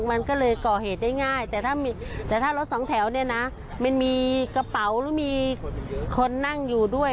มันก็เลยเกาะเหตุได้ง่ายแต่ถ้ารถสองแถวมันมีกระเป๋ามีคนนั่งอยู่ด้วย